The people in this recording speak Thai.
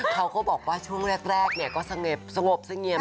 เขาก็บอกว่าช่วงแรกก็สงบเสงี่ยม